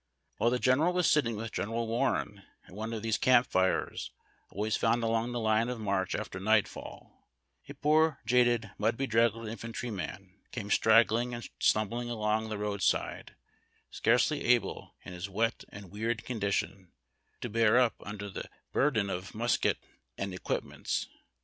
While the general was sitting with General Warren at one of those camp tires always found along the line of march after nightfall, a poor jaded, mud bedraggled infantrymen came straggling and stumbling along the roadside, scarcely able, in his wet and wearied condition, to bear up under his burden of musket and equipments.